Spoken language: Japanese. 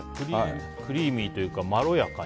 クリーミーというかまろやかに。